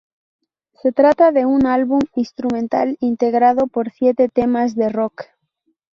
Se trata de un álbum instrumental integrado por siete temas de rock.